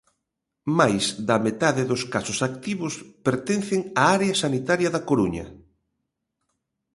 Máis da metade dos casos activos pertencen á area sanitaria da Coruña.